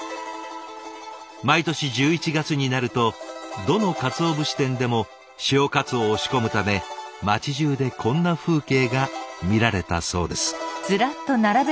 毎年１１月になるとどの鰹節店でも潮かつおを仕込むため町じゅうでこんな風景が見られたそうです。